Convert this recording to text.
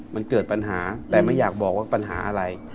มันเกิดปัญหาแต่ไม่อยากบอกว่าปัญหาอะไร